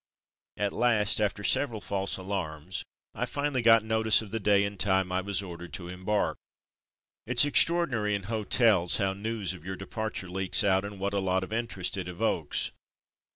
At last, after several false alarms, I finally got notice of the day and time I was ordered to embark. It's extraordinary in hotels how news of your departure leaks out, and what a lot of interest it evokes.